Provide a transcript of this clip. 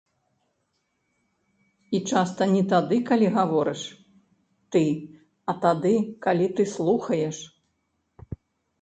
І часта не тады, калі гаворыш ты, а тады, калі ты слухаеш.